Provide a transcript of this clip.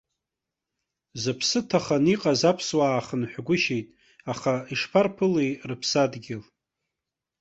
Зыԥсы ҭахан иҟаз аԥсуаа хынҳәгәышьеит, аха ишԥарԥылеи рыԥсадгьыл?